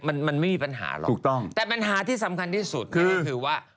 มันไม่มีปัญหาหรอกแต่ปัญหาที่สำคัญที่สุดคือว่า